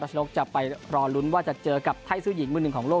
รัชนกอินทานนท์จะไปรอลุ้นว่าจะเจอกับไทยสู้หญิงมือหนึ่งของโลก